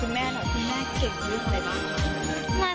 คุณแม่เก่งเรื่องอะไรบ้าง